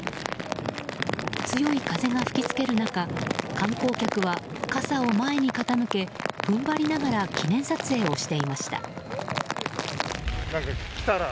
強い風が吹きつける中観光客は傘を前に傾け踏ん張りながら記念撮影をしていました。